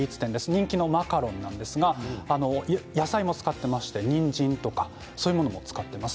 人気のマカロンですが野菜を使っていまして、にんじんとかそういうものも使っています。